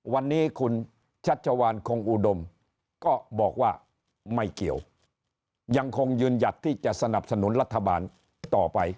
วันนี้คุณชัชวานคงอุดมก็บอกว่าไม่เกี่ยวยังคงยืนหยัดที่จะสนับสนุนรัฐบาลต่อไป